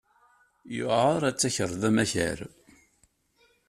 Yuɛer ad takreḍ amakar.